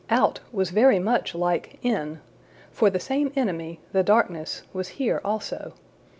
out was very much like in, for the same enemy, the darkness, was here also.